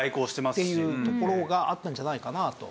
っていうところがあったんじゃないかなと。